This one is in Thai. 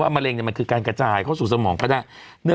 ว่ามะเร็งเนี่ยมันคือการกระจายเข้าสู่สมองก็ได้เนื้อ